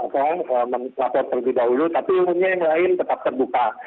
tiongkok yang harus lapor terlebih dahulu tapi umumnya yang lain tetap terbuka